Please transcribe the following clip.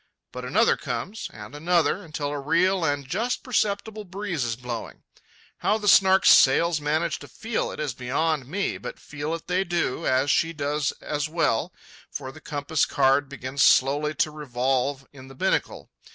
But another comes, and another, until a real and just perceptible breeze is blowing. How the Snark's sails manage to feel it is beyond me, but feel it they do, as she does as well, for the compass card begins slowly to revolve in the binnacle.